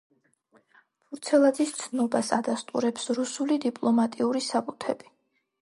ფურცელაძის ცნობას ადასტურებს რუსული დიპლომატიური საბუთები.